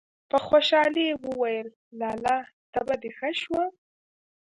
په خوشالي يې وويل: لالا! تبه دې ښه شوه!!!